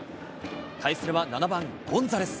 対するは７番ゴンザレス。